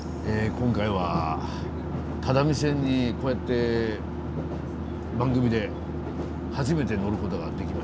今回は只見線にこうやって番組で初めて乗ることができました。